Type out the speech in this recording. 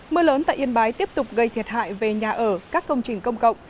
mưa lớn tại yên bái tiếp tục gây thiệt hại về nhà ở các công trình công cộng